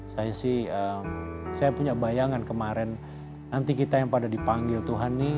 saya sih saya punya bayangan kemarin nanti kita yang pada dipanggil tuhan nih